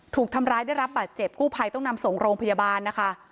ถูกทำร้ายได้รับบาดเจ็บกู้ภัยต้องนำส่งโรงพยาบาลนะคะ